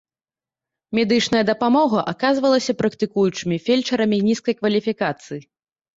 Медычная дапамога аказвалася практыкуючымі фельчарамі нізкай кваліфікацыі.